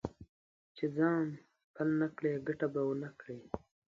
چې ځان پل نه کړې؛ ګټه به و نه کړې.